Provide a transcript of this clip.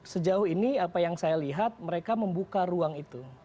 sejauh ini apa yang saya lihat mereka membuka ruang itu